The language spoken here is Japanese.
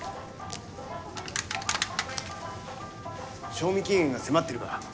賞味期限が迫ってるから。